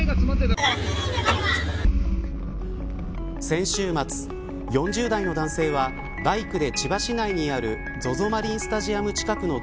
先週末、４０代の男性はバイクで千葉市内にあるＺＯＺＯマリンスタジアム近くの